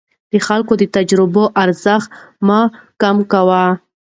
د خلکو د تجربو ارزښت مه کم کوه.